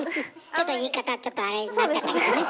ちょっと言い方ちょっとアレになっちゃったけどね。